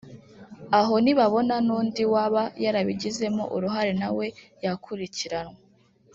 aho nibabona n’undi waba yarabigizemo uruhare na we yakurikiranwa